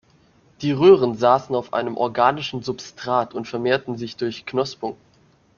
Die Röhren saßen auf einem organischen Substrat und vermehrten sich durch Knospung.